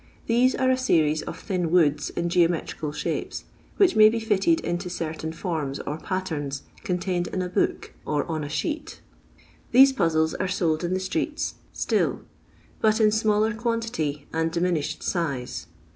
These are a series of thin woods in geometrical shapes, which may be fitted into certain forms or patterns contained in a book, or on a sheet These puzzles are sold in the streets 18 LONDON LABOUR AND TUB LONDON POOR. still, bat in imaller quantity and diminished size.